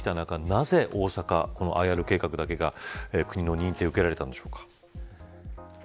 なぜ大阪のＩＲ計画だけが国の認定を受けられたんでしょうか。